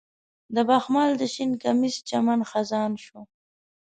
د بخمل د شین کمیس چمن خزان شو